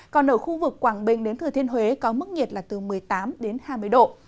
còn ở khu vực quảng bình đến thừa thiên huế có mức nhiệt là từ một mươi tám đến hai mươi độ